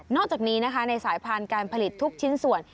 จากนี้นะคะในสายพันธุ์การผลิตทุกชิ้นส่วน